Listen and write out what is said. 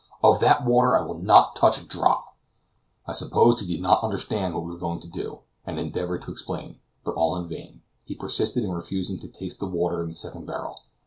of that water I will not touch a drop." I supposed he did not understand what we were going to do, and endeavored to explain; but all in vain; he persisted in refusing to taste the water in the second barrel.